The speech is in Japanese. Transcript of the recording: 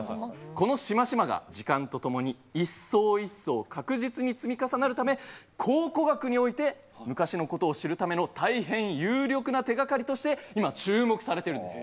このシマシマが時間とともに一層一層確実に積み重なるため考古学において昔のことを知るための大変有力な手がかりとして今注目されてるんです。